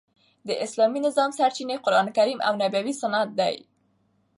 د اسلامي نظام سرچینې قران کریم او نبوي سنت دي.